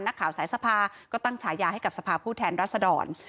นักข่าวสายสภาก็ตั้งฉายาให้กับสภาพผู้แทนรัศดร